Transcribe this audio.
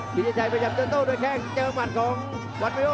วิชิชัยพยายามเจ้าโต้โดยแข้งเจอมันของวันวิโย